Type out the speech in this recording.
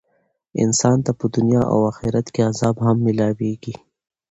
انسان ته په دنيا او آخرت کي عذاب هم ميلاويږي .